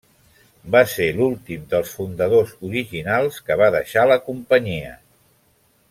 Va ser l'últim dels fundadors originals que va deixar la companyia.